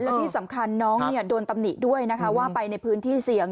และที่สำคัญน้องโดนตำหนิด้วยนะคะว่าไปในพื้นที่เสี่ยง